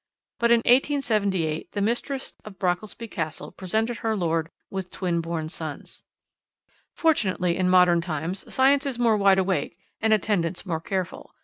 But in 1878 the mistress of Brockelsby Castle presented her lord with twin born sons. "Fortunately, in modern times, science is more wide awake, and attendants more careful.